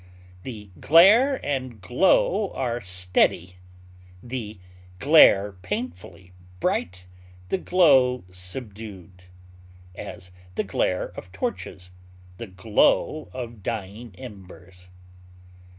The glare and glow are steady, the glare painfully bright, the glow subdued; as, the glare of torches; the glow of dying embers.